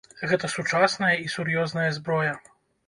Гэта сучасная і сур'ёзная зброя.